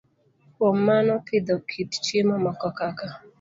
Kuom mano, pidho kit chiemo moko kaka